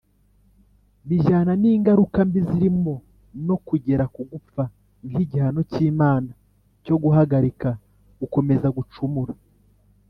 Bijyana n'ingaruka mbi zirimo no kugera ku gupfa nk'igihano cy'Imana cyo guhagarika gukomeza gucumura.